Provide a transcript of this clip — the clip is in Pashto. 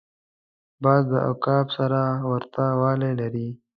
باز د عقاب سره ورته والی لري